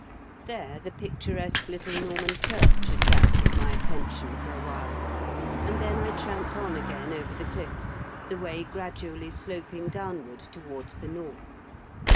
There the picturesque little Norman church attracted my attention for awhile, and then I tramped on again over the cliffs, the way gradually sloping downward towards the north.